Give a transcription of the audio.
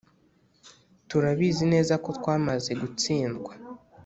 Turabizi neza ko twamaze gutsindwa